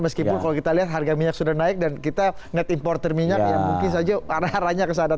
meskipun kalau kita lihat harga minyak sudah naik dan kita net importer minyak ya mungkin saja haranya kesadar